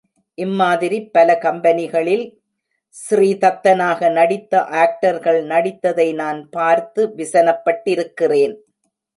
இம்மாதிரிப் பல கம்பெனிகளில் ஸ்ரீதத்தனாக நடித்த ஆக்டர்கள் நடித்ததை நான் பார்த்து விசனப்பட்டிருக்கிறேன்.